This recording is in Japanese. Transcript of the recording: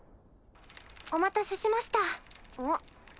お待たせしました。